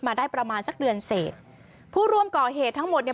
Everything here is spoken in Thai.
มาได้ประมาณสักเดือนเศษผู้ร่วมก่อเหตุทั้งหมดเนี่ย